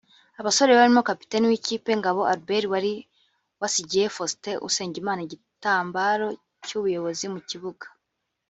Abasore barimo Kapiteni w’ikipe Ngabo Albert wari wasigiye Faustin Usengimana igitambaro cy’ubuyobozi mu kibuga